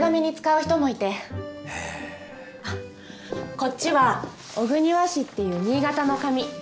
こっちは小国和紙っていう新潟の紙。